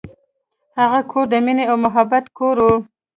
هغه کور د مینې او محبت کور و.